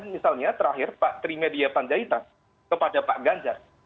misalnya terakhir pak trimedia panjaitan kepada pak ganjar